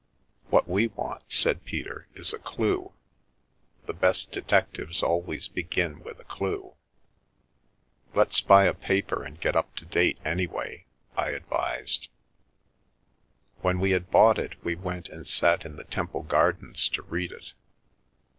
" What we want," said Peter, " is a clue. The best detectives always begin with a clue." " Let's buy a paper and get up to date, anyway," I advised. When we had bought it we went and sat in the Temple Gardens to read it.